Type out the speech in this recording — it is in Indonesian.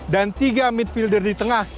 dan tiga midfielder di tengah